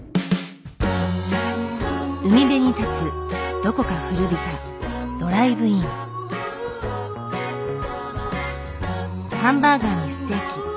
海辺に建つどこか古びたハンバーガーにステーキ。